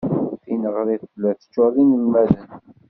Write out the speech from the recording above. Tineɣrit tella teččur d inelmaden.